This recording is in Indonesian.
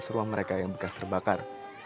di atas ruang mereka yang bekas terbakar